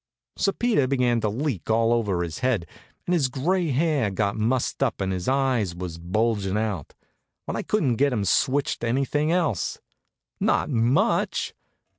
Sir Peter began to leak all over his head, and his gray hair got mussed up, and his eyes was bulgin' out; but I couldn't get him switched to anything else. Not much!